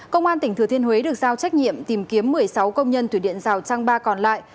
công an tỉnh thừa thiên huế được giao trách nhiệm tìm kiếm một mươi sáu công nhân thủy điện rào trăng ba còn lại